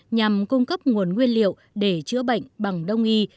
nhằm cung cấp nguồn nguyên liệu để chữa bệnh bằng đông y